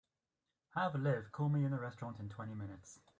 Have Liv call me in the restaurant in twenty minutes.